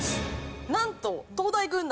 なんと東大軍団